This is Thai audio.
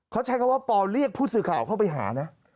เขาใช้คำว่าปอเรียกผู้สื่อข่าวเข้าไปหานะ